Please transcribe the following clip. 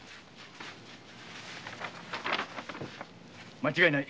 間違いない。